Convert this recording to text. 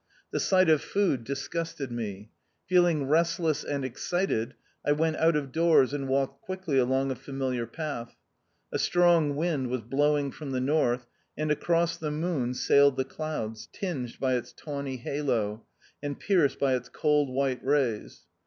The sight of food disgusted me. Feeling restless and excited, I went out of doors and walked quickly along a familiar path. A strong wind was blowing from the north ; and across the moon sailed the clouds, tinged by its tawny halo, and pierced by its cold white rays.